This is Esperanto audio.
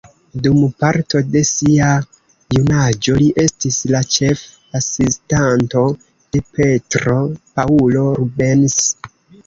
Dum parto de sia junaĝo li estis la ĉef-asistanto de Petro Paŭlo Rubens.